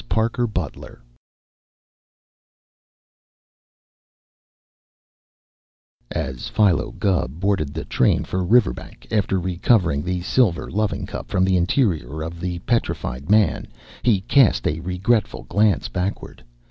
THE EAGLE'S CLAWS As Philo Gubb boarded the train for Riverbank after recovering the silver loving cup from the interior of the petrified man, he cast a regretful glance backward.